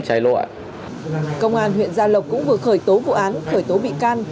công an huyện gia lộc cũng vừa khởi tố vụ án khởi tố bị can